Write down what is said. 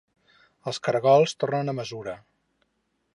Els caragols tornen a mesura.